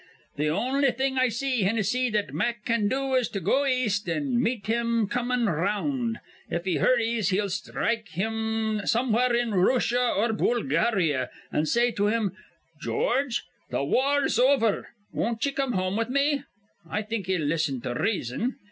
Th' on'y thing I see, Hinnissy, that Mack can do is to go east an' meet him comin' r round. If he hurries, he'll sthrike him somewhere in Rooshia or Boohlgahria, an' say to him: 'George, th' war's over. Won't ye come home with me?' I think he'll listen to reason."